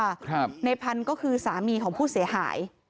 ครับในพันธุ์ก็คือสามีของผู้เสียหาย